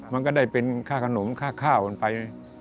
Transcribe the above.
มันก็ได้เป็นค่าขนมค่าข้าวกันไป